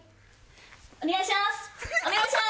お願いします！